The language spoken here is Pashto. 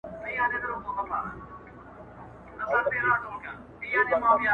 شاعري سمه ده چي ته غواړې.